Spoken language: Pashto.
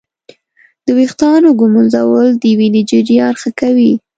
د ویښتانو ږمنځول د وینې جریان ښه کوي.